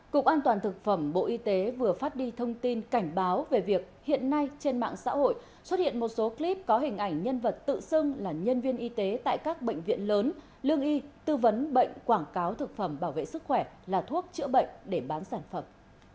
cục an toàn thực phẩm bộ y tế vừa phát đi thông tin cảnh báo về việc hiện nay trên mạng xã hội xuất hiện một số clip có hình ảnh nhân vật tự xưng là nhân viên y tế tại các bệnh viện lớn lương y tư vấn bệnh quảng cáo thực phẩm bảo vệ sức khỏe là thuốc chữa bệnh để bán sản phẩm